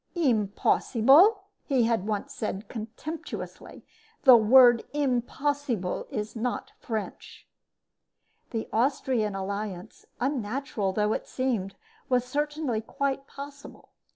"Impossible?" he had once said, contemptuously. "The word 'impossible' is not French." The Austrian alliance, unnatural though it seemed, was certainly quite possible.